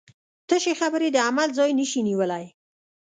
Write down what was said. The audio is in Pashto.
تشې خبرې د عمل ځای نشي نیولی.